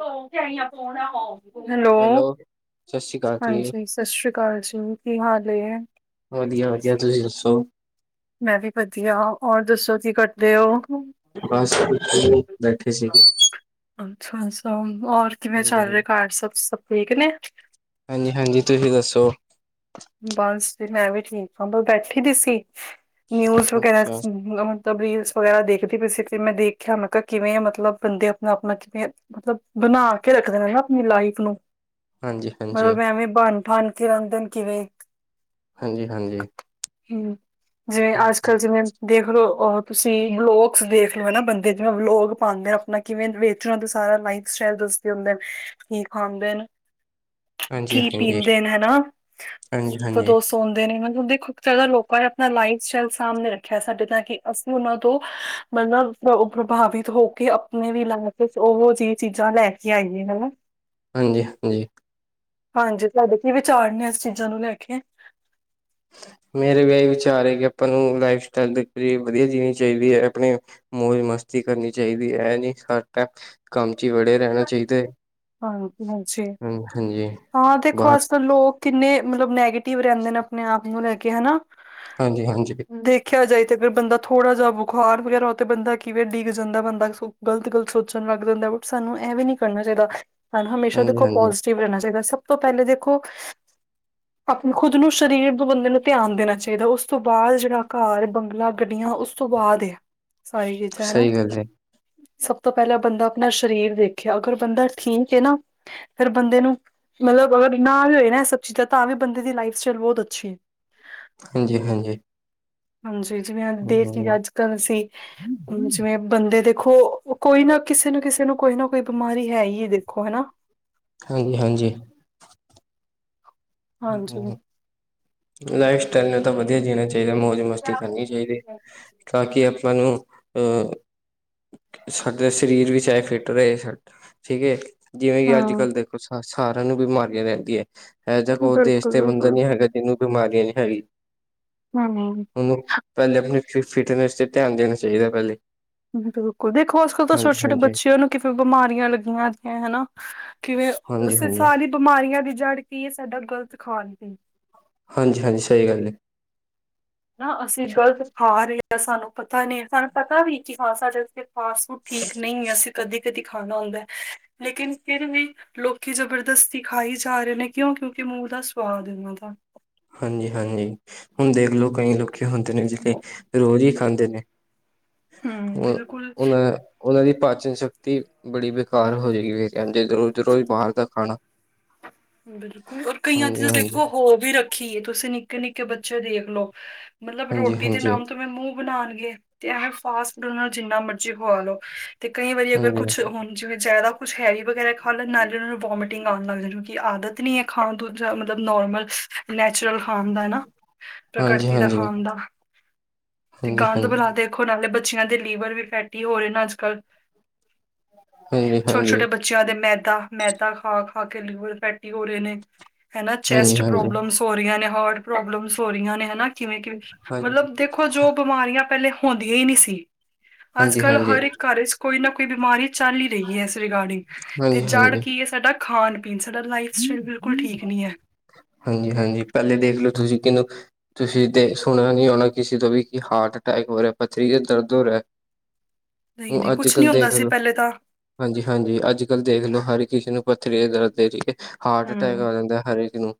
ਉਹਈਆਂ ਪਣਾ ਹਐਲਧ hello, ਸਤਿ ਸ਼੍ਰੀ ਅਕਾਲ ਜੀ ਹਾਂਜੀ, ਸਤਿ ਸ਼੍ਰੀ ਅਕਾਲ ਜੀ, ਕੀ ਹਾਲ ਹੈ? ਵਧੀਆ ਵਧੀਆ, ਤੁਸੀਂ ਦੱਸੋ? ਮੈਂ ਵੀ ਵਧੀਆ ਔਰ ਦੱਸੋ ਕੀ ਕਰਦੇ ਹੋ? ਜੀ ਬੈਠੇ ਸੀਗੇ। ਅੱਛਾ ਅੱਛਾ, ਹੋਰ, ਕਿਵੇਂ ਹਾਂਜੀ ਚੱਲ ਰਿਹਾ ਹਾਂਜੀ ਘਰ ਸਭ ਸਭ ਠੀਕ ਨੇ? ਹਾਂਜੀ-ਹਾਂਜੀ, ਤੁਸੀਂ ਦੱਸੋ? ਬਸ ਤੇ ਮੈਂ ਵੀ ਠੀਕ ਹਾਂ ਬੈਠੀ ਦੀ ਸੀ, ਨਿਊਜ ਵਗੈਰਾ ਅੱਛਾ ਮਤਲਬ ਰੀਲਸ ਵਗੈਰਾ ਦੇਖਦੇ ਪਈ ਸੀ ਮੈਂ ਦੇਖਿਆ ਮੈਂ ਕਿਹਾ ਕਿਵੇਂ ਮਤਲਬ ਬੰਦੇ ਆਪਣਾ ਆਪਣਾ ਕਿਵੇਂ, ਮਤਲਬ ਬਣਾ ਕੇ ਰੱਖਦੇ ਨਾ ਆਪਣੀ ਲਾਈਫ ਨੂੰ ਹਾਂਜੀ ਹਾਂਜੀ ਮਤਲਬ ਐਂਵੇਂ ਬਨ ਠਨ ਕੇ ਆਂਦੇ ਨੇ ਕਿਵੇਂ। ਹਾਂਜੀ -ਹਾਂਜੀ। ਹਮ, ਜਿਵੇਂ ਅੱਜ ਹਾਂਜੀ ਕੱਲ ਜਿਵੇਂ ਦੇਖਲੋ ਉਹ ਤੁਸੀਂ ਵਲੋਗਸ ਦੇਖ ਲੈਣਾ ਨਾ ਬੰਦੇਂ ਜਿਵੇਂ ਵਲੋਗ ਪਾਉਂਦੇ ਆਪਣਾ। ਕਿਵੇਂ ਵੇਚਣ ਦਾ ਤੇ ਸਾਰਾ ਲਾਈਫ ਸਟਾਈਲ ਦੱਸਦੇ ਹੁੰਦੇ ਕੀ ਖਾਂਦੇ ਨੇ। ਹਾਂਜੀ ਕੀ ਹਾਂਜੀ ਪੀਂਦੇ ਨੇ ਹਨਾ ਫ ਹਾਂਜੀ ਕਦੋਂ ਹਾਂਜੀ ਸੋਂ ਮਤਲਬ ਕਿ ਦੇਖੋ, ਕਈ ਵਾਰ ਲੋਕਾਂ ਨੇ ਆਪਣਾ ਲਾਈਫ ਸਟਾਈਲ ਸਾਹਮਣੇ ਰੱਖਿਆ ਸਾਡੇ, ਤਾਂ ਕਿ ਅਸੀਂ ਉਹਨਾਂ ਤੋਂ ਹਹਹਹ। ਮਤਲਬ ਪ੍ਰਭਾਵਿਤ ਹੋ ਕੇ ਆਪਣੇ ਵੀ ਲਾਈ ਉਹੋ ਜਿਹੀ ਚੀਜ਼ਾਂ ਲੈ ਕੇ ਆਈਆਂ ਹਨਾ [inaudible] [inaudible] ਹਾਂਜੀ -ਹਾਂਜੀ। ਹਾਂਜੀ, ਤੁਹਾਡੇ ਕੀ ਵਿਚਾਰ ਨੇ ਇਸ ਚੀਜ਼ਾਂ ਨੂੰ ਲੈ ਕੇ? ਮੇਰੇ ਵੀ ਇਹੀ ਵਿਚਾਰ ਹੈ ਕਿ ਆਪਾਂ ਨੂੰ ਲਾਈਫ ਸਟਾਈਲ ਵਧੀਆ ਜੀਣੀ ਚਾਹੀਦੀ ਹੈ ਆਪਣੇਂ ਮੌਜ ਮਸਤੀ ਕਰਨੀ ਚਾਹੀਦੀ ਹੈ। ਇਹ ਨੀ ਹਰ ਟਾਈਮ ਕੰਮ ਚ ਹੀ ਬੜੇ ਰਹੋ। ਹਾਂਜੀ ਹਾਂਜੀ। ਹਾਂ ਦੇਖੋ ਬਾਹਰ ਅੱਜ ਲੋਕ ਕਿੰਨੇ ਮਤਲਬ ਨੈਗੇਟਿਵ ਰਹਿੰਦੇਂ ਨੇ, ਆਪਣੇ ਆਪ ਨੂੰ ਲੈ ਕੇ ਹਨਾ। ਹਾਂਜੀ- ਹਾਂਜੀ। ਦੇਖਿਆ ਜਾਏ ਤੇ, ਫੇਰ ਬੰਦਾਂ ਥੋੜ੍ਹਾ ਜਿਹਾ ਬੁਖ਼ਾਰ ਵਗੈਰਾ ਹੋ, ਤੇ ਬੰਦਾਂ ਕਿਵੇਂ ਡਿੱਗ ਜਾਂਦਾ ਬੰਦਾ ਸੋ। ਗ਼ਲਤ ਗਲਤ ਸੋਚਣ ਲੱਗ ਜਾਂਦਾ ਹੈ। ਬਟ ਸਾਨੂੰ ਇਹਵੇ ਨੀ ਕਰਨਾ ਚਾਹੀਦਾ, ਸਾਨੂੰ ਹਮੇਸ਼ਾ ਹਾਂਜੀ ਦੇਖੋ ਹਾਂਜੀ ਪੋਜੀਟਿਵ ਰਹਿਣਾ ਚਾਹੀਦਾ, ਸਭ ਤੋਂ ਪਹਿਲੇ ਦੇਖੋ ਆਪਣੇ ਖੁਦ ਨੂੰ, ਸਰੀਰ ਨੂੰ ਬੰਦੇ ਨੂੰ ਧਿਆਨ ਦੇਣਾ ਚਾਹੀਦਾ। ਉਸ ਤੋਂ ਬਾਅਦ ਜਿਹੜਾ ਘਰ ਬੰਗਲਾ ਗੱਡੀਆਂ ਉਸ ਉਸ ਤੋਂ ਬਾਅਦ ਏ ਸਾਰੀਆ ਚੀਜ਼ਾਂ ਹਨਾ। ਸਹੀ ਗੱਲ ਹੈ ਸਭ ਤੋਂ ਪਹਿਲਾਂ ਬੰਦਾਂ ਆਪਣਾ ਸਰੀਰ ਸਰੀਰ ਦੇਖਿਆ। ਅਗਰ ਬੰਦਾਂ ਠੀਕ ਹੈ ਨਾ ਹ ਫਿਰ ਬੰਦੇ ਨੂੰ ਮਤਲਬ, ਅਗਰ ਨਾ ਵੀ ਹੋਏ ਨਾ ਇਹ ਸਭ ਚੀਜ਼ਾਂ, ਤਾਂ ਵੀ ਬੰਦੇ ਦੀ ਲਾਈਫ ਸਟਾਈਲ ਬਹੁਤ ਅੱਛੀ ਹੈ। ਹਾਂਜੀ- ਹਾਂਜੀ। ਹਾਂਜੀ ਜਿਵੇਂ ਦੇਖ ਲਈਏ ਅੱਜ ਕੱਲ ਅਸੀਂ, ਜਿਵੇਂ ਬੰਦੇ ਦੇਖੋਓ ਕੋਈ ਨਾ ਕਿਸੇ ਨਾ ਕਿਸੇ ਨੂੰ ਕੋਈ ਨਾ ਕੋਈ ਬਿਮਾਰੀ ਹੈ ਹੀ ਹੈ ਦੇਖੋ ਹਨਾ? ਹਾਂਜੀ- ਹਾਂਜੀ। ਹਾਂਜੀ। ਲਾਈਫ ਸਟਾਈਲ ਨੂੰ ਤਾਂ ਵਧੀਆ ਜੀਣਾ ਚਾਹੀਦਾ, ਮੌਜ ਮਾਰ ਕੇ। ਰੋਟੀ ਖਾਣੀ ਚਾਹੀਦੀ। ਤਾਂ ਕਿ ਆਪਾਂ ਨੂੰ ਅਹ ਸਾਡਾ ਸਰੀਰ ਵੀ ਚਾਹੇ ਫਿੱਟ ਰਹੇ ਸਾਡਾ, ਠੀਕ ਹੈ। ਜਿਵੇਂ ਕਿ ਅੱਜ ਹਾਂ ਕੱਲ ਦੇਖੋ ਸ ਸਾਰਿਆਂ ਨੂੰ ਬਿਮਾਰੀਆਂ ਰਹਿੰਦੀਆਂ ਏ, ਇਹੋ ਜਿਹਾ ਕੋ ਉਹ ਦੇਸ਼ ਤੇ ਬੰਦਾ ਬਿਲਕੁਲ-ਬਿਲਕੁਲ ਨੀ ਹੈਗਾ ਜਿਨੂੰ ਬਿਮਾਰੀਆਂ ਨੀ ਹੈ। ਹਾਂ ਹਮਮ। ਉਹਨੂੰ, ਪਹਿਲੇ ਆਪਣੀ ਫ ਫਿਟਨੈਸ 'ਤੇ ਧਿਆਨ ਦੇਣਾ ਚਾਹੀਦਾ ਪਹਿਲੇ। ਬਿਲਕੁਲ, ਦੇਖੋ ਅੱਜ ਕੱਲ ਤਾਂ ਹਾਂਜੀ ਛੋਟੇ- ਛੋਟੇ ਹਾਂਜੀ ਬੱਚਿਆਂ ਨੂੰ ਕਿਵੇਂ ਬਿਮਾਰੀਆਂ ਲੱਗੀਆਂ ਦਿਆਂਏ ਹਨਾ? ਕਿਵੇਂ, ਹਾਂਜੀ ਅਸ ਹਾਂਜੀ ਸਾਰੀ ਬਿਮਾਰੀਆਂ ਦੀ ਜੜ੍ਹ ਕੀ ਇਹ ਸਾਡਾ ਗ਼ਲਤ ਖਾਣ ਪੀਣ। ਹਾਂਜੀ -ਹਾਂਜੀ ਸਹੀ ਗੱਲ ਹੈ। ਨਾ, ਅਸੀਂ ਗ਼ਲਤ ਖਾ ਰਹੇ ਹਾਂ। ਸਾਨੂੰ ਪਤਾ ਨਹੀਂ ਸਾਨੂੰ ਪਤਾ ਵੀ ਕੀ ਖਾ ਸਕਦੇ। ਫਾਸਟ ਫੂਡ ਠੀਕ ਨਹੀਂ, ਅਸੀਂ ਕਦੀ- ਕਦੀ ਖਾਣਾ ਹੁੰਦਾ ਏ। ਲੇਕਿਨ, ਫਿਰ ਵੀ ਲੋਕੀ ਜਬਰਦਸਤੀ ਖਾਈ ਜਾ ਰਹੇ ਨੇ। ਕਿਉਂ, ਕਿਉਂਕਿ ਮੂੰਹ ਦਾ ਸਵਾਦ ਏ ਉਹਨਾਂ ਦਾ। ਹਾਂਜੀ -ਹਾਂਜੀ। ਹੁਣ ਦੇਖਲੋ, ਕਈ ਲੋਕੀ ਹੁੰਦੇ ਨੇ ਜਿਹੜੇ ਰੋਜ਼ ਹੀ ਖਾਂਦੇ ਨੇ। ਹੂੰ, ਉਹ ਬਿਲਕੁਲ, ਉਹਨਾ। ਉਹਨਾਂ ਦੀ ਪਾਚਨ ਸ਼ਕਤੀ ਬੜੀ ਬੇਕਾਰ ਹੋ ਜਾਏਗੀ। ਵੇ, ਇੰਜ ਰੋਜ਼ -ਰੋਜ਼ ਬਾਹਰ ਦਾ ਖਾਣਾ। ਬਿਲਕੁਲ, ਔਰ ਕਈਆਂ ਦੀ ਹਾਂਜੀ ਤਾਂ ਹਾਂਜੀ ਦੇਖੋ ਹੋ ਵੀ ਰੱਖੀਏ, ਤੁਸੀਂ ਨਿੱਕੇ- ਨਿੱਕੇ ਬੱਚੇ ਦੇਖ ਲਓ। ਮਤਲਬ, ਹਾਂਜੀ ਰੋਟੀ ਦੇ ਹਾਂਜੀ ਨਾਮ ਤੋਂ ਮੈਂ ਮੂੰਹ ਬਣਾਉਣਗੇ, ਤੇ ਇਵੇਂ ਫਾਸਟ ਫੂਡ ਨਾਲ ਜਿੰਨਾ ਮਰਜ਼ੀ ਖਵਾ ਲਓ। ਤੇ ਕਈ ਵਾਰੀ ਅਗਰ ਹਾਂਜੀ ਕੁਛ ਹੁਣ, ਜਿਵੇਂ ਜ਼ਿਆਦਾ ਕੁਛ ਹੈਵੀ ਵਗੈਰਾ ਖਾ ਲੈਣ, ਨਾਲੇ ਉਹਨਾਂ ਨੂੰ ਵੋਮੀਟਿੰਗ ਆਉਣ ਲੱਗ ਜਾਂਦੀ। ਆਦਤ ਨੀ ਹੈ ਖਾਣ ਤੋਂ, ਜਾਂ ਮਤਲਬ ਨੋਰਮਲ ਯਾ ਨੈਚੂਰਲ ਖਾਣ ਦਾ ਨਾ ਹਾਂਜੀ ਪ੍ਰਕਿਰਤੀ ਦਾ ਖਾਣ ਹਾਂਜੀ ਦਾ। ਤੇ ਗੰਦ ਹਾਂਜੀ ਬਲਾ ਤੇ। ਹੁਣ ਵਾਲੇ ਬੱਚਿਆਂ ਦੇ ਲੀਵਰ ਵੀ ਫੈਟੀ ਹੋ ਰਹੇ ਨੇ ਅੱਜ ਕੱਲ, ਹਾਂਜੀ ਛੋਟੇ ਹਾਂਜੀ ਛੋਟੇ ਬੱਚੇ ਬੱਚਿਆਂ ਦੇ ਮੈਦਾ-ਮੈਦਾ ਖਾ-ਖਾ ਕੇ ਲੀਵਰ ਫੈਟੀ ਹੋ ਰਹੇ ਨੇ ਹੈਨਾ ਹਾਂਜੀ ਹਾਂਜੀ ਚੈਸਟ ਹਾਂਜੀ ਪ੍ਰੋਬਲਮ ਹੋ ਰਹੀਆਂ ਨੇ, ਹਾਰਟ ਪ੍ਰੋਬਲਮਸ ਹੋ ਰਹੀਆਂ ਨੇ ਹੈਨਾ ਕਿਵੇਂ-ਕਿਵੇਂ ਮਤਲਬ ਦੇਖੋ ਜੋ ਬਿਮਾਰੀਆਂ ਪਹਿਲੇ ਹੁੰਦੀਆਂ ਹੀ ਨਹੀਂ ਸੀ, ਅੱਜ ਹਾਂਜੀ ਹਾਂਜੀ ਕੱਲ ਹਰ ਹਾਂਜੀ ਇੱਕ ਘਰ ਚ ਕੋਈ ਨਾ ਕੋਈ ਬਿਮਾਰੀ ਚੱਲ ਹੀ ਰਹੀ ਐ, ਇਸ ਰਿਗਾਰਡਿੰਗ ਤੇ ਜੜ ਹਾਂਜੀ ਕੀ ਐ ਸਾਡਾ ਖਾਣ-ਪੀਣ। ਸਾਡਾ ਲਾਈਫ ਸਟਾਈਲ ਬਿਲਕੁਲ ਠੀਕ ਨੀ ਐ। ਹਾਂਜੀ-ਹਾਂਜੀ, ਪਹਿਲੇ ਦੇਖ ਲੋ ਤੁਸੀਂ ਕਿਹਨੂੰ ਤੁਸੀਂ ਦੇ ਸੁਣਿਆ ਨੀ ਹੋਣਾ, ਕਿਸੇ ਤੋਂ ਵੀ ਕਿ ਹਾਰਟ ਅਟੈਕ ਹੋ ਰਿਹਾ ਪੱਥਰੀ ਚ ਦਰਦ ਹੋ ਰਿਹਾ। ਨਹੀਂ ਨਹੀਂ ਕੁਛ ਨਹੀ ਹੁੰਦਾ ਸੀ ਪਹਿਲੇ ਤਾਂ। ਹਾਂਜੀ-ਹਾਂਜੀ, ਅੱਜ-ਕੱਲ੍ਹ ਦੇਖ ਲੋ, ਹਰ ਕਿਸੇ ਨੂੰ ਪੱਥਰੀ ਦੇ ਦਰਦ, ਹਾਰਟ ਅਟੈਕ ਹਮ ਆ ਜਾਂਦਾ ਹਰ ਇਹਨੂੰ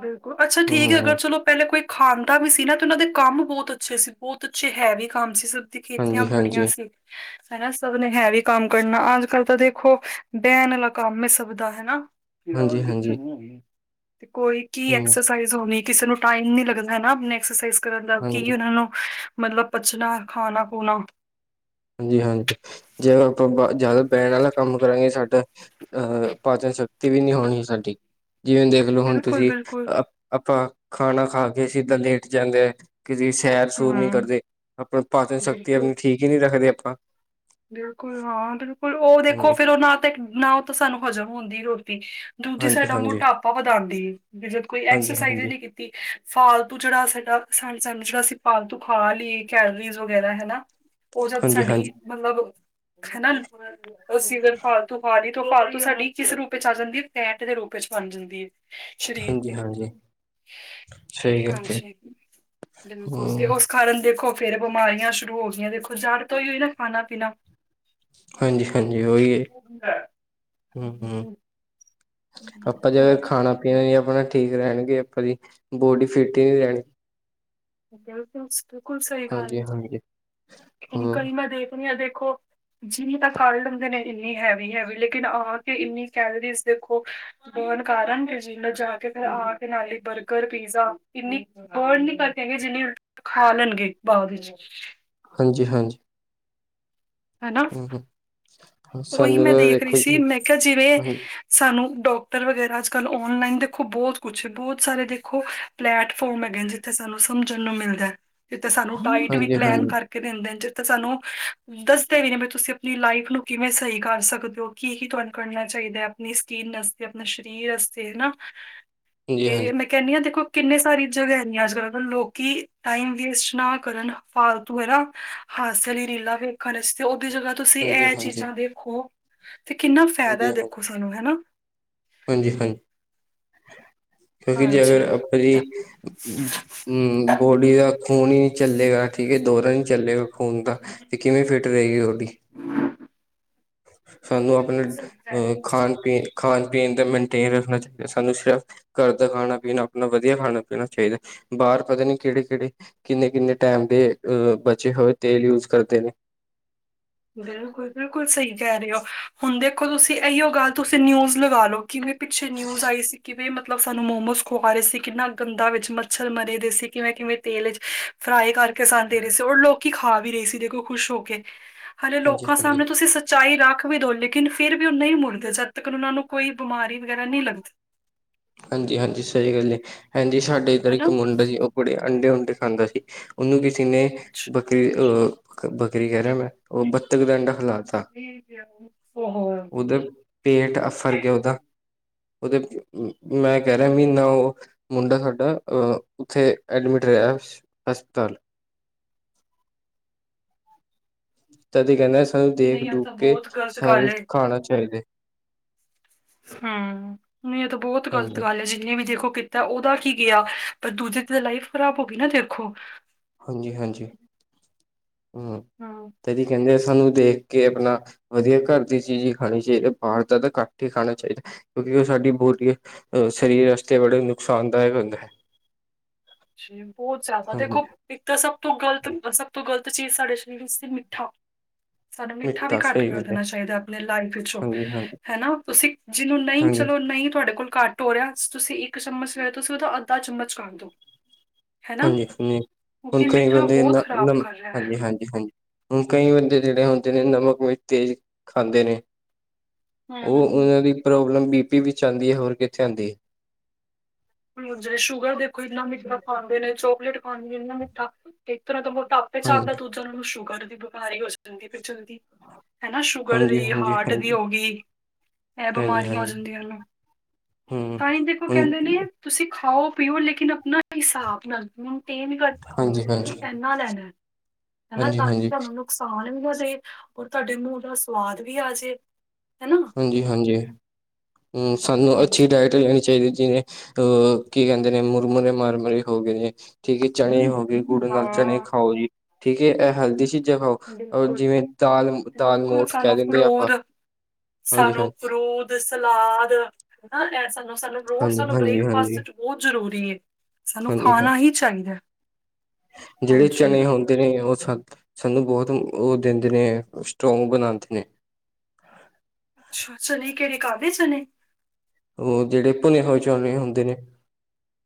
ਬਿਲਕੁਲ ਅੱਛਾ ਠੀਕ ਐ ਅਗਰ ਚਲੋ ਪਹਿਲੇ ਕੋਈ ਖਾਂਦਾ ਵੀ ਸੀ ਨਾ ਤੇ ਉਹਨਾਂ ਦੇ ਕੰਮ ਬਹੁਤ ਅੱਛੇ ਸੀ ਬਹੁਤ ਅੱਛੇ ਹੈਵੀ ਕੰਮ ਸੀ ਦੀ ਖੇਤੀਆਂ ਹਾਂਜੀ, ਬੜੀਆਂ ਹਾਂਜੀ, ਸੀ। ਹਨਾ ਸਭ ਨੇ ਹੈਵੀ ਕੰਮ ਕਰਨਾ, ਅੱਜ ਕੱਲ੍ਹ ਤਾਂ ਦੇਖੋ ਬਹਿਣ ਵਾਲਾ ਕੰਮ ਐ ਸਭ ਦਾ ਹਨਾ। ਹਾਂਜੀ, [unintelligible] ਕਿੱਥੇ ਹਾਂਜੀ, ਨੂੰ ਹੋ ਗਈ। ਤੇ ਕੋਈ ਕੀ ਹੂੰ, ਐਕਸਰਸਾਈਜ਼ ਹੋਣੀ, ਕਿਸੇ ਨੂੰ ਟਾਈਮ ਨੀ ਲੱਗਦਾ ਹਨਾ ਆਪ ਐਕਸਰਸਾਈਜ਼ ਮਤਲਬ ਹਾਂਜੀ, ਕੀ ਉਹਨਾਂ ਨੂੰ ਮਤਲਬ ਪੱਚਣਾ ਖਾਣਾ-ਖੂਣਾ। ਹਾਂਜੀ-ਹਾਂਜੀ, ਜੇ ਆਪਾਂ ਜ਼ਿਆਦਾ ਬਹਿਣ ਵਾਲਾ ਕੰਮ ਕਰਾਂਗੇ ਸਾਡਾ ਅਹ ਪਾਚਨ ਸ਼ਕਤੀ ਵੀ ਨਹੀਂ ਹੋਣੀ ਸਾਡੀ, ਜਿਵੇਂ ਦੇਖ ਲੋ ਹੁਣ ਤੁਸੀਂ ਬਿਲਕੁਲ-ਬਿਲਕੁਲ ਆਪਾਂ ਖਾਣਾ ਖਾ ਕੇ ਸਿੱਧਾ ਲੇਟ ਜਾਂਦੇ ਹ। ਕਿਸੀ ਸੈਰ ਸੁਰ ਨੀ ਹੂੰ ਕਰਦੇ, ਆਪਣਾ ਪਾਚਨ ਸ਼ਕਤੀ ਬਿਲਕੁਲ। ਆਪਣੀ ਠੀਕ ਹੀ ਨਹੀਂ ਰੱਖਦੇ ਆਪਾਂ। ਬਿਲਕੁਲ ਹਾਂ ਬਿਲਕੁਲ, ਉਹ ਦੇਖੋ ਹਾਂਜੀ। ਫੇਰ ਉਹ ਨਾ ਤਾਂ ਨਾ ਉਹ ਤਾਂ ਸਾਨੂੰ ਹਜ਼ਮ ਹੁੰਦੀ ਰੋਟੀ। ਦੂਜੀ ਹਾਂਜੀ, ਸਾਡਾ ਹਾਂਜੀ, ਮੋਟਾਪਾ ਵਧਾਦੀ ਐ, ਜਦ ਕੋਈ ਹਾਂਜੀ, ਐਕਸਰਸਾਈਜ਼ ਹਾਂਜੀ, ਨਹੀਂ ਕੀ ਤੇ ਫਾਲਤੂ ਜਿਹੜਾ ਸਾਡਾ ਸਨ-ਸਨ, ਸਾਨੂੰ ਜਿਹੜਾ ਅਸੀਂ ਫਾਲਤੂ ਖਾ ਲਈਏ ਕੈਲਰੀਜ਼ ਵਗੈਰਾ ਹੈਨਾ। ਉਹ ਜਦ ਹਾਂਜੀ, ਸਾਡੀ ਹਾਂਜੀ, ਮਤਲਬ ਹਨਾ ਅਸੀਂ ਅਗਰ ਫਾਲਤੂ ਖਾ ਲਈਏ ਤਾਂ ਉਹ ਫਾਲਤੂ ਸਾਡੀ ਕਿਸ ਰੂਪ ਚ ਆ ਜਾਂਦੀ ਐ, ਫੈਟ ਦੇ ਰੂਪ ਵਿੱਚ ਬਣ ਜਾਂਦੀ ਐ। ਸਰੀਰ ਹਾਂਜੀ, ਤੇ ਹਾਂਜੀ। ਸਹੀ ਗੱਲ ਹੈ ਹਾਂਜੀ, ਬਿਲਕੁਲ ਤੇ ਹੂੰ, ਉਸ ਕਾਰਨ ਦੇਖੋ ਫੇਰ ਬਿਮਾਰੀਆਂ ਸ਼ੁਰੂ ਹੋ ਗਈਆਂ ਦੇਖੋ, ਜਾਣ ਤੋਂਈ ਹੋਈ ਨਾ ਖਾਣਾ ਪੀਣਾ। ਹਾਂਜੀ-ਹਾਂਜੀ, ਵਧੀਆ ਜੀ, ਹੁੰ-ਹੁੰ। ਆਪਾਂ ਜ ਖਾਣਾ ਪੀਣਾ ਹੀ ਆਪਣਾ ਠੀਕ ਰਹਿਣਗੇ, ਆਪਾਂ ਦੀ ਬੋਡੀ ਫਿਟ ਹੀ ਨਹੀਂ ਰਹਿਣ ਬਿਲਕੁਲ ਸ ਬਿਲਕੁਲ ਸਹੀ ਗੱਲ ਐ, ਹਾਂਜੀ-ਹਾਂਜੀ ਅ ਹੂੰ ਕਇ ਮੈਂ ਦੇਖ ਰਹੀ ਆ ਦੇਖੋ ਜਿਮ ਤਾਂ ਕਰ ਲੈਂਦੇ ਨੇ ਇੰਨੀ ਹੈਵੀ-ਹੈਵੀ ਲੇਕਿਨ ਆ ਕੇ ਇੰਨੀ ਕੈਲਰੀਜ਼ ਦੇਖੋ ਬਰਨ ਕਰ ਆਂਗੈ ਜੀ, ਜਾ ਕੇ ਫਿਰ ਆ ਕੇ ਨਾਲੇ ਬਰਗਰ, ਪੀਜ਼ਾ ਇੰਨੀ ਬਰਨ ਨੀ ਕਰ ਹੈਗੇ ਜਿੰਨੇ, ਖਾ ਲੈਣਗੇ ਬਾਅਦ ਵਿੱਚ। ਹਾਂਜੀ-ਹਾਂਜੀ। ਹੈਨਾ। ਹੂੰ ਉਹੀ ਸਾਨੂੰ ਮੈਂ ਤਾਂ ਦੇਖ ਰਹੀ ਦੇਖੋ ਸੀ, ਜੀ ਮੈਂ ਕਿਹਾ ਜਿਵੇਂ ਸਾਨੂੰ ਡਾਕਟਰ ਵਗੈਰਾ ਅੱਜ-ਕੱਲ੍ਹ ਔਨਲਾਈਨ ਦੇਖੋ ਬਹੁਤ ਕੁਛ, ਬਹੁਤ ਸਾਰੇ ਦੇਖੋ ਪਲੈਟਫੋਮ ਹੈਗੇ ਜਿੱਥੇ ਸਾਨੂੰ ਸਮਝਣ ਨੂੰ ਮਿਲਦਾ। ਜਿੱਥੇ ਸਾਨੂੰ ਡਾਈਟ ਵੀ ਪਲੈਨ ਹਾਂਜੀ-ਹਾਂਜੀ-ਹਾਂਜੀ। ਕਰਕੇ ਦਿੰਦੇ ਨੇ, ਜਿੱਥੇ ਸਾਨੂੰ ਦੱਸਦੇ ਵੀ ਨੇ ਵੀ ਤੁਸੀਂ ਆਪਣੀ ਲਾਈਫ ਨੂੰ ਕਿਵੇੈਂ ਸਹੀ ਕਰ ਸਕਦੇ ਹੋ, ਕੀ ਕੀ ਤੁਹਾਨੂੰ ਕਰਨਾ ਚਾਹੀਦਾ ਆਪਣੀ ਸਕਿੰਨ ਵਾਸਤੇ ਆਪਣੇ ਸਰੀਰ ਵਾਸਤੇ ਹੈ ਨਾ। ਤੇ ਹਾਂਜੀ-ਹਾਂਜੀ, ਮੈਂ ਕਹਿੰਨੀ ਹਾਂ ਦੇਖੋ ਕਿੰਨੀ ਸਾਰੀ ਜਗ੍ਹਾ ਹੇਗੀਆਂ ਅੱਜ ਕੱਲ੍ਹ ਲੋਕੀ ਟਾਈਮ ਵੇਸਟ ਨਾ ਕਰਨ ਫਾਲਤੂ ਹੈ ਨਾ, ਹਾਸੇ ਆਲੀ ਰੀਲਾ ਵੇਖਣ ਤੇ ਉਹਦੀ ਜਗ੍ਹਾ ਤੁਸੀਂ ਇਹ ਹਾਂਜੀ-ਹਾਂਜੀ, ਹਾਂਜੀ-ਹਾਂਜੀ, ਚੀਜ਼ਾਂ ਦੇਖੋ ਤੇ ਕਿੰਨਾ ਫਾਇਦਾ ਦੇਖੋ ਸਾਨੂੰ ਹੈਨਾ। ਹਾਂਜੀ-ਹਾਂਜੀ, ਕਿਉਂਕਿ ਜੇ ਹਾਂਜੀ ਅਗਰ ਆਪਾਂ ਜੀ ਹਮ ਬੋਡੀ ਦਾ ਖੂਨ ਹੀ ਨੀ ਚੱਲੇਗਾ ਠੀਕ ਹੈ, ਦੋਹਰਾ ਨੀ ਚੱਲੇਗਾ [unintelligible] ਦਾ ਤੇ ਕਿਵੇਂ ਫਿਟ ਰਹੇਗੀ ਤੁਆਡੀ? [inaudible] ਸਾਨੂੰ ਆਪਣਾ ਅਹ ਖਾਣ ਪੀਣ, ਖਾਣ ਪੀਣ ਦਾ ਮੇਨਟੇਨ ਰੱਖਣਾ ਚਾਹੀਦਾ ਸਾਨੂੰ ਸਫ ਘਰ ਦਾ ਖਾਣਾ ਪੀਣਾ ਆਪਣਾ ਵਧੀਆ ਖਾਣਾ ਪੀਣਾ ਚਾਹੀਦਾ, ਬਾਰ ਪਤਾ ਨੀ ਕਿਹੜੇ ਕਿਹੜੇ ਕਿੰਨੇ-ਕਿੰਨੇ ਟਾਈਮ ਦੇ ਅ ਬਚੇ ਹੋਏ ਤੇਲ ਯੂਜ ਕਰਦੇ ਨੇ। ਬਿਲਕੁਲ, ਬਿਲਕੁਲ ਸਹੀ ਕਹਿ ਰਹੇ ਹੋ ਹੁਣ ਦੇਖੋ ਤੁਸੀਂ ਇਹੀਓ ਗੱਲ ਤੁਸੀਂ ਨਿਊਜ਼ ਲਗਾ ਲਓ ਕਿਵੇਂ ਪਿੱਛੇ ਨਿਊਜ਼ ਆਈ ਸੀ ਕਿਵੇਂ ਮਤ ਮਤਲਬ ਸਾਨੂੰ ਮੋਮੋਸ ਖਵਾ ਰਹੇ ਸੀ, ਕਿੰਨਾ ਗੰਦਾ ਵਿੱਚ ਮੱਛਰ ਮਰੇ ਦੇ ਸੀ ਕਿਵੇਂ-ਕਿਵੇਂ ਤੇਲ ਚ ਫਰਾਈ ਕਰਕੇ ਸਾਨੂੰ ਦੇ ਰਹੇ ਸੀ ਔਰ ਲੋਕੀ ਖਾ ਵੀ ਰਹੇ ਸੀ ਦੇਖੋ ਖੁਸ਼ ਹੋ ਕੇ। ਹਾਲੇ ਹਾਂਜੀ ਲੋਕਾਂ ਹਾਂਜੀ ਸਾਹਮਣੇ ਤੁਸੀਂ ਸ ਚਾਈ ਰੱਖ ਵੀ ਦਿਓ ਲੇਕਿਨ ਫਿਰ ਵੀ ਉਹ ਨਹੀਂ ਮੁੜਦੇ ਜਦ ਤੱਕ ਓਨਾਂ ਨੂੰ ਕੋਈ ਬਿਮਾਰੀ ਵਗੈਰਾ ਨਹੀਂ ਲੱਗਦੀ। ਹਾਂਜੀ-ਹਾਂਜੀ, ਸਹੀ ਗੱਲ ਏ, ਭੈਨ ਜੀ ਸਾਡੇ ਇੱਧਰ ਹੈਨਾ ਇੱਕ ਮੁੰਡਾ ਸੀ ਉਹ ਬੜੇ ਅੰਡੇ ਉੰਡੇ ਖਾਂਦਾ ਸੀ। ਉਹਨੂੰ ਕਿਸੇ ਨੇ ਅੱਛਾ, ਬੱਕਰੀ, ਓ ਬੱਕਰੀ ਕਹਿ ਰਯਾ ਮੈਂ, ਉਹ ਬਤਖ ਦਾ ਅੰਡਾ ਖਿਲਾ ਤਾ। [unintelligible] ਓਦਾ ਪੇਂਟ ਆਫ਼ਰ ਗਿਆ ਓਦਾ, ਉਹਦੇ ਮੈਂ ਕਹਿ ਰਿਹਾ ਮਹੀਨਾ ਉਹ ਮੁੰਡਾ ਸਾਡਾ ਅ ਉੱਥੇ ਐਡਮਿਟ ਰਿਹਾ ਓਦੇ ਚ। ਹਸਪਤਾਲ। ਤਦੀ ਕਹਿੰਦੇ ਸਾਨੂੰ ਦੇਖ ਨਹੀਂ ਇਹ ਦੁਖ ਤਾਂ ਕੇ ਬਹੁਤ ਗ਼ਲਤ ਸਾਨੂੰ ਗੱਲ ਏ। ਖਾਣਾ ਚਾਹੀਦਾ ਏ। ਹੂੰ, ਨਹੀਂ ਇਹ ਤਾਂ ਬਹੁਤ ਗ਼ਲਤ ਹਾਂਜੀ ਗੱਲ ਏ ਜਿੰਨੇ ਵੀ ਦੇਖੋ ਤਾਂ ਉਹਦਾ ਕੀ ਗਿਆ, ਪਰ ਦੂਜੇ ਤੇ ਤਾਂ ਲਾਈਫ ਖ਼ਰਾਬ ਹੋ ਗਈ ਨਾ ਦੇਖੋ। ਹਾਂਜੀ-ਹਾਂਜੀ, ਹੂੰ, ਤਦੀ ਕਹਿੰਦੇ ਸਾਨੂੰ ਦੇਖ ਕਿ ਆਪਣਾ ਵਧੀਆ ਘਰ ਦੀ ਚੀਜ਼ ਹੀ ਖਾਨੀ ਚਾਹੀਏ, ਬਾਹਰ ਦਾ ਤਾਂ ਘੱਟ ਹੀ ਖਾਣਾ ਚਾਹੀਦਾ। ਕਿਉਂਕਿ ਉਹ ਸਾਡੀ ਬੋਡੀ ਅ ਸਰੀਰ ਵਾਸਤੇ ਬੜਾ ਈ ਨੁਕਸਾਨਦਾਇਕ ਹੁੰਦਾ ਐ। ਹੂੰ, ਬੋਤ ਜਾਦਾ ਹਾਂਜੀ ਦੇਖੋ ਇੱਕ ਤਾਂ ਸਭ ਤੋਂ ਗ਼ਲਤ, ਸਭ ਤੋਂ ਗ਼ਲਤ ਚੀਜ਼ ਸਾਡੇ ਸਰੀਰ ਵਿੱਚ ਸੀ ਮਿੱਠਾ। ਸਾਨੂੰ ਮਿੱਠਾ ਵੀ ਘੱਟ ਸਹੀ ਕਰ ਗੱਲ ਹੈ ਦੇਣਾ ਚਾਹੀਦਾ ਆਪਣੇ ਲਾਈਫ ਵਿੱਚੋਂ। ਹਾਂਜੀ ਹਾਂਜੀ ਹੈਨਾ, ਤੁਸੀਂ ਜਿਹਨੂੰ ਨਹੀਂ, ਹਾਂਜੀ ਚਲੋ ਨਹੀਂ ਤੁਹਾਡੇ ਕੋਲ ਘੱਟ ਹੋ ਰਯਾ, ਤੁਸੀਂ ਇੱਕ ਚਮਚ ਬਜਾਏ ਤੁਸੀਂ ਓਦਾ ਅੱਧਾ ਚਮਚ ਕਰ ਦੋ। ਹਨਾ? ਹਾਂਜੀ ਹੂੰ, ਹੁਨ ਕਿਉਂਕਿ ਕਈ ਮਿੱਠਾ ਬੰਦੇ ਬਹੁਤ ਇੰਨਾ ਖ਼ਰਾਬ [unintelligible] ਕਰ ਰਿਹਾ ਹੈ। ਹਾਂਜੀ, ਹਾਂਜੀ, ਹਾਂਜੀ ਹੁਨ ਕਈ ਬੰਦੇ ਜਿਹੜੇ ਹੁੰਦੇ ਨੇ, ਨਮਕ ਮਿਰਚ ਤੇਜ਼ ਖਾਂਦੇ ਨੇ। ਉਹ ਹੂੰ। ਉਹਨਾਂ ਦੀ ਪ੍ਰੋਬਲਮ ਬੀ ਪੀ ਵਿੱਚ ਆਂਦੀ ਹੈ ਹੋਰ ਕਿੱਥੇ ਆਂਦੀ। ਹੂੰ, ਜੇ ਸ਼ੂਗਰ ਦੇਖੋ ਇੰਨਾ ਮਿੱਠਾ ਖਾਂਦੇ ਨੇ, ਚੋਕਲੇਟ ਖਾਨਗੇ ਇੰਨਾ ਮਿੱਠਾ ਤੇ ਇੱਕ ਤਰ੍ਹਾਂ ਦਾ ਮੋਟਾਪਾ ਇਸ ਹਿਸਾਬ ਹਾਂਜੀ ਨਾਲ ਦੂਜਾ ਉਹਨਾਂ ਨੂੰ ਸ਼ੂਗਰ ਦੀ ਬਿਮਾਰੀ ਹੋ ਜਾਂਦੀ ਫਿਰ ਜਲਦੀ। ਹੈਨਾ ਸ਼ੂਗਰ ਹਾਂਜੀ ਦੀ, ਹਾਂਜੀ ਹਾਰਟ ਹਾਂਜੀ ਦੀ ਹੋ ਗੀ, ਐ ਹਾਂਜੀ ਬਿਮਾਰੀਆਂ ਹੋ ਹਾਂਜੀ ਜਾਂਦੀ ਓਨੁ। ਹਮ ਤਾਂਹੀ ਦੇਖੋ ਹੁਣ ਕਹਿੰਦੇ ਨੇ ਤੁਸੀਂ ਖਾਓ ਪੀਓ ਲੇਕਿਨ ਆਪਨਾ ਹਿਸਾਬ ਨਾਲ, ਹੁਨ [unintelligible] ਤੁਸੀ ਕਹੋਗੇ ਹਾਂਜੀ ਹਾਂਜੀ ਤੁਸੀਂ ਏਨਾ ਲੈਨਾ, ਹੈਨਾ ਹਾਂਜੀ ਤਾਂ ਕਿ ਹਾਂਜੀ ਤਹਾਨੂੰ ਨੁਕਸਾਨ ਵੀ ਘਟੇ ਔਰ ਤੁਹਾਡੇ ਮੂੰਹ ਦਾ ਸਵਾਦ ਵੀ ਆ ਜੇ ਹਨਾ? ਹਾਂਜੀ-ਹਾਂਜੀ, ਹੂੰ, ਸਾਨੂੰ ਅੱਛੀ ਹਾਂਜੀ ਡਾਇਟ ਲੈਨੀ ਚਾਹੀਦੀ ਜਿਵੇਂ ਅਹ ਕੀ ਕਹਿੰਦੇ ਨੇ ਮੁਰਮੁਰੇ ਮਾਰਮਰੇ ਹੋ ਗਏ ਨੇ, ਠੀਕ ਐ ਚਣੇ ਹੋ ਗੇ। ਗੁਡ ਨਾਲ ਚਣੇ ਹਾਂ ਖਾਓ ਜੀ, ਠੀਕ ਏ, ਐ ਹੈਲਦੀ ਚੀਜ਼ਾਂ ਚੀਜ਼ਾਂ ਖਾਓ, ਅਹ ਬਿਲਕੁਲ, ਜਿਵੇਂ ਦਾਲ ਦਾਲ ਬਿਲਕੁਲ ਮੋਠ ਕਹਿ ਦੇਂਦੇ ਆਪਾਂ। ਸਾਨੂੰ ਫਰੂਟ ਤੇ ਸਲਾਦ ਹੈਨਾ, ਐ ਸਾਨੂੰ, ਸਾਨੂੰ ਰੋਜ਼ ਹਾਂਜੀ ਸਾਨੂੰ ਹਾਂਜੀ ਬ੍ਰੇਕਫਾਸਟ ਹਾਂਜੀ ਚ ਬੋਤ ਜ਼ਰੂਰੀ ਏ। ਸਾਨੂੰ ਹਾਂਜੀ ਖਾਣਾ ਹਾਂਜੀ ਹੀ ਚਾਹੀਦਾ ਐ। ਜਿਹੜੇ ਚਨੇ ਹੁੰਦੇ ਨੇ ਓ ਸ ਸਾਨੂੰ ਬੋਤ ਉਹ ਦਿੰਦੇ ਨੇ, ਸਟਰੋਂਗ ਬਨਾਂਦੇ ਨੇ। ਅੱਛਾ ਚਨੇ, ਕੇੜੇ ਕਾਬਲੇ ਚਨੇ? ਉਹ ਜਿਹੜੇ ਭੁਨੇ ਹੋਏ ਚਨੇ ਹੋਂਦੇ ਨੇ।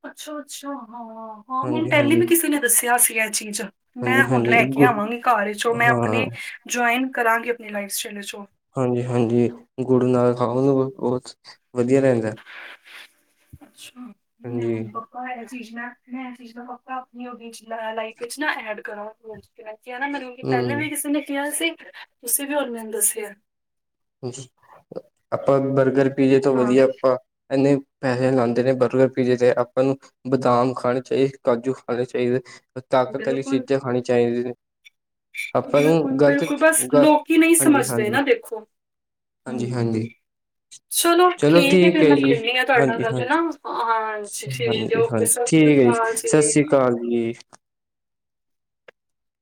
ਅੱਛਾ-ਅੱਛਾ, ਹਾਂ-ਹਾਂ, ਮੈਨੂੰ ਹਾਂਜੀ ਪਹਿਲੀ ਹਾਂਜੀ ਵੀ ਕਿਸੇ ਨੇ ਦੱਸਿਆ ਸੀ ਇਹ ਚੀਜ਼ ਮੈਂ ਹਾਂਜੀ ਹੁਣ ਹਾਂਜੀ ਲੈ ਕੇ ਗੁ ਆਵਾਂਗੀ ਘਰ ਚੋਂ ਮੈਂ ਹਾਂ ਆਪਣੇ ਜੁਆਇਨ ਕਰਾਂਗੀ ਆਪਣੀ ਲਾਈਫ ਸਟਾਈਲ ਚੋਂ। ਹਾਂਜੀ-ਹਾਂਜੀ, ਗੁੜ ਨਾਲ ਖਾਉ ਸਗੋਂ ਬਹੁਤ ਵਧੀਆ ਰਹਿੰਦਾ। ਅੱਛਾ, ਮਨੈਂ ਹਾਂਜੀ ਹੁਣਦਾ ਹੁਨ ਇਹ ਚੀਜ਼ ਮੈਂ, ਇਹ ਚੀਜ਼ ਮੈਂ ਪੱਕਾ ਆਪਨੀ ਓਦੇ ਚ, ਅ ਲਾਈਫ ਚ ਨਾ ਐਡ ਕਰਾਂ ਰੋਜ। ਕਿੈਂ ਕਿਹਾ ਨਾ ਮੈਨੂੰ ਪਹਿਲਾਂ ਹਮ ਵੀ ਕਿਸੇ ਨੇ ਕਿਹਾ ਸੀ ਤੁਸੀਂ ਵੀ ਹੋਰ ਮੈਨੂੰ ਦੱਸਿਆ। ਆਪਾਂ ਬਰਗਰ ਪੀਜੇ ਤੋਂ ਹਾਂ ਵਧੀਆ ਆਪਾਂ ਇੰਨੇ ਪੈਸੇ ਲਾਉਂਦੇ ਨੇ ਬਰਗਰ, ਪੀਜੇ ਤੇ ਆਪਾਂ ਨੂੰ ਬਦਾਮ ਖਾਣੇ ਚਾਹੀਦੇ, ਕਾਜੂ ਖਾਣੇ ਚਾਹੀਦੇ ਤਾਕਤ ਵਾਲੀ ਬਿਲਕੁਲ, ਚੀਜ਼ਾਂ ਖਾਣੀ ਚਾਹੀਦੀਆਂ। ਬਿਲਕੁਲ-ਬਿਲਕੁਲ ਬਸ ਗ ਲੋਕੀ ਨਹੀਂ ਹਾਂਜੀ ਸਮਝਦੇ ਹਾਂਜੀ ਨਾ ਦੇਖੋ ਹੂੰ ਹਾਂਜੀ -ਹੂੰ। ਹਾਂਜੀ ਚਲੋ ਠੀਕ ਹੈ, ਫਿਰ ਮੈਂ ਕਰਨੀ ਹਾਂ ਤੁਹਾਡੇ ਨਾਲ ਗੱਲ ਹਾਂਜੀ ਹਾ-ਹਾਂਜੀ ਹਾਂਜੀ ਦਿਓ ਹਾਂਜੀ, ਠੀਕ ਹੈ, ਜੀ ਸਤਿ ਸ਼੍ਰੀ ਅਕਾਲ ਜੀ।